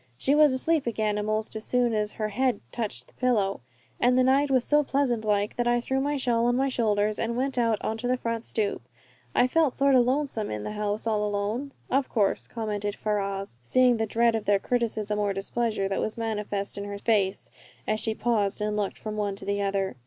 She was asleep again a'most as soon as her head touched the pillow, and the night was so pleasant like that I threw my shawl on my shoulders and went out onto the front stoop. I felt sort o' lonesome in the house all alone." "Of course," commented Ferrars, seeing the dread of their criticism or displeasure that was manifest in her face as she paused and looked from one to the other.